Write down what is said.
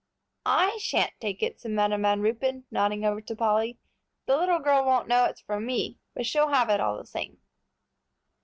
"I shan't take it," said Madam Van Ruypen, nodding over to Polly; "the little girl won't know it's from me, but she will have it all the same."